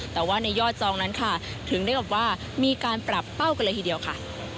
แต่ว่าในยอดจองนั้นค่ะถึงได้กับว่ามีการปรับเป้ากันเลยทีเดียวค่ะ